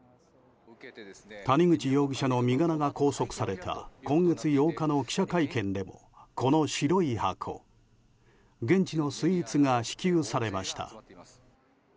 谷口容疑者の身柄が拘束された今月８日の記者会見でもこの白い箱、現地のスイーツが支給されました。